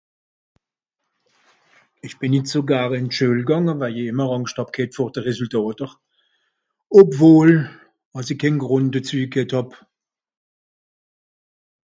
Ìch bìn nìt so gar ìn d Schüel gànge, waje i ìmmer Àngscht ghet vor de Resültàter, obwohl als i kén Gùnd dezü ghet hàb.